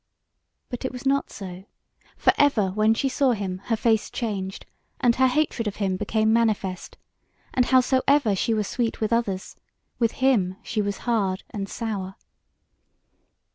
But it was not so; for ever when she saw him, her face changed, and her hatred of him became manifest, and howsoever she were sweet with others, with him she was hard and sour.